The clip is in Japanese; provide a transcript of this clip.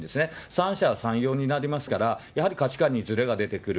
三者三様になりますから、やはり価値観にずれが出てくる。